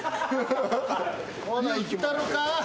ほないったろか。